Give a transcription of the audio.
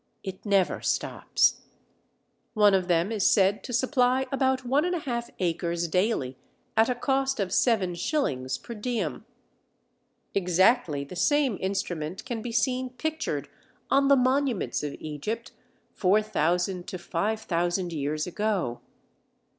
It never stops. One of them is said to supply about 1 1/2 acres daily at a cost of seven shillings per diem. Exactly the same instrument can be seen pictured on the monuments of Egypt 4000 to 5000 years ago.